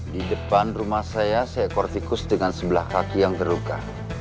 di depan rumah saya saya kortikus dengan sebelah kaki yang geruka